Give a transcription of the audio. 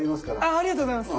ありがとうございます。